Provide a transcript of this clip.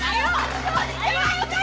ayo beran beran